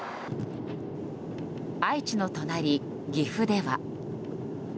愛知の隣、岐阜では。